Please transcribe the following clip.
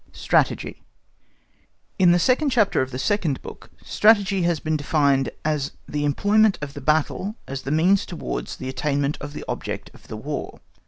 Strategy In the second chapter of the second book, Strategy has been defined as "the employment of the battle as the means towards the attainment of the object of the War."